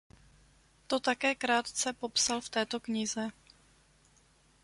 To také krátce popsal v této knize.